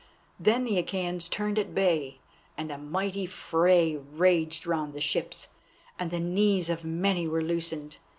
Then the Achæans turned at bay, and a mighty fray raged round the ships, and the knees of many were loosened.